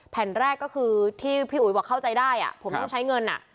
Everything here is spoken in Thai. แผ่นแรกก็คือที่พี่อุ๋ยบอกเข้าใจได้ผมต้องใช้เงิน